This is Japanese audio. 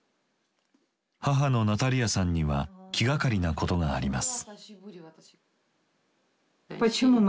母のナタリアさんには気がかりなことがあります。